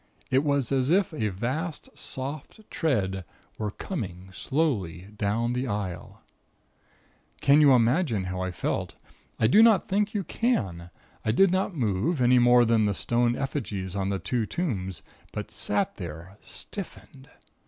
It was as if a vast, soft tread were coming slowly down the aisle. "Can you imagine how I felt? I do not think you can. I did not move, any more than the stone effigies on the two tombs; but sat there, stiffened.